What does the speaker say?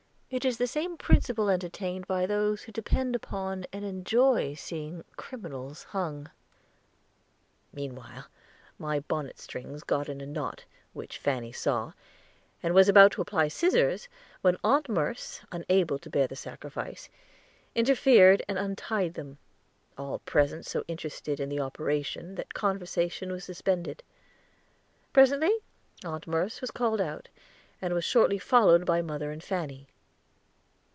It is the same principle entertained by those who depend upon and enjoy seeing criminals hung. Meanwhile my bonnet strings got in a knot, which Fanny saw, and was about to apply scissors, when Aunt Merce, unable to bear the sacrifice, interfered and untied them, all present so interested in the operation that conversation was suspended. Presently Aunt Merce was called out, and was shortly followed by mother and Fanny.